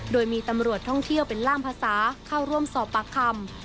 โดยมีตำรวจท่องเที่ยวเป็นล่ามภาษาเข้าร่วมสอบปากคำ